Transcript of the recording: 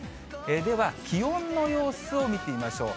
では、気温の様子を見てみましょう。